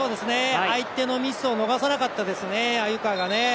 相手のミスを逃さなかったですね、鮎川がね。